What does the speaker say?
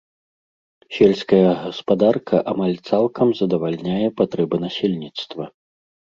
Сельская гаспадарка амаль цалкам задавальняе патрэбы насельніцтва.